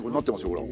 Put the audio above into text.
ほら。